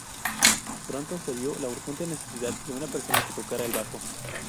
Pronto se vio la urgente necesidad de una persona que tocara el bajo.